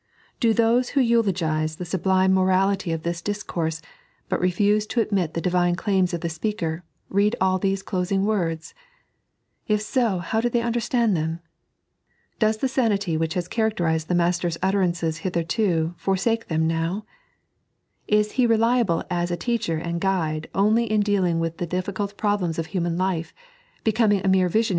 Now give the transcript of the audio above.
Do those who eulogies the sublime 3.n.iized by Google *' Make your Calling sueb." 189 morality of this disconrse, but refuse to admit the Divine claims of the Speaker, read these doeing words I If so, how do they underatuid them I Does the sanity which has characterised the Master's utteruioee hitherto forsake them novfl la He reliable as a Teacher and Guide only in dealing with the difficult problems of human life, becoming a mere vi8ioDfi.